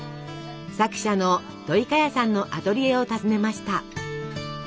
作者のどいかやさんのアトリエを訪ねました。